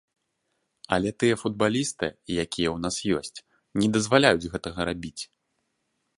Але тыя футбалісты, якія ў нас ёсць, не дазваляюць гэтага рабіць.